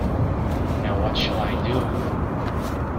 Now what shall I do?